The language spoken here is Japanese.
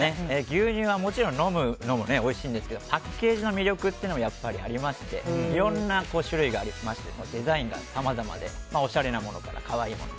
牛乳はもちろん飲むのもおいしいんですけどパッケージの魅力もありましていろんな種類がありましてデザインがさまざまでおしゃれなものから可愛いもの